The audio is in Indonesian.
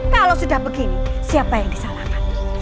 kalau sudah begini siapa yang disalahkan